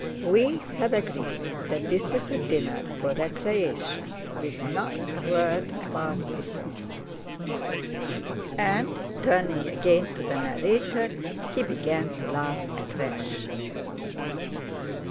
"We have agreed that this is a dinner for recreation, with not a word about business!" and turning again to the narrator he began to laugh afresh.